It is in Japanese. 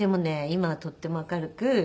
今はとっても明るく。